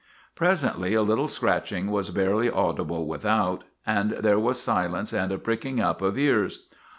Presently a little scratching was barely audible without, and there was silence and a pricking up of ears.